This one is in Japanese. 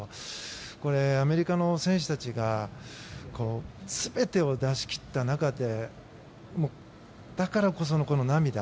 これ、アメリカの選手たちが全てを出し切った中でだからこその、この涙。